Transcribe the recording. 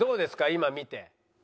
今見て。